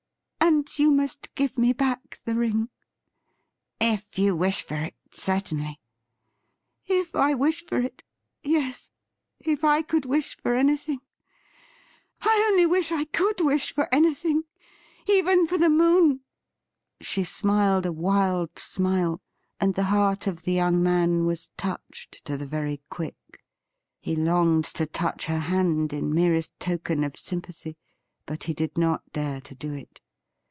And you must give me back the ring.' ' If you wish for it, certainly.' ' If I wish for it ! Yes. If I could wish for anything ! I only wish I could wish for anything — even for the moon !' She smiled a wild smile, and the heart of the young man was touched to the very quick. He longed to touch her hand in merest token of sympathy, but he did not dare to do it.